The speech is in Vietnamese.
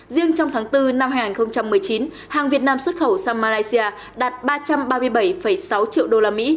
riêng trong tháng bốn năm hai nghìn một mươi chín hàng việt nam xuất khẩu sang malaysia đạt ba trăm ba mươi bảy sáu triệu usd